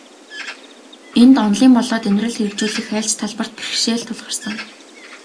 Энд, онолын болоод амьдралд хэрэгжүүлэх аль ч талбарт бэрхшээл тулгарсан.